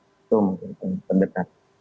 jadi itu yang paling terdekat